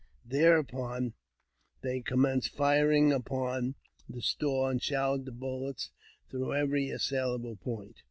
Thereupon they commenced firing upon the store, and showered the bullets through every assailable point.